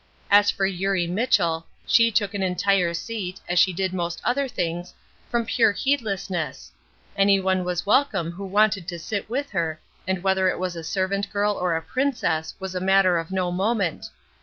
As for Eurie Mitchell, she took an entire seat, as she did most other things, from pure heedlessness; any one was welcome who wanted to sit with her, and whether it was a servant girl or a princess was a matter of no moment.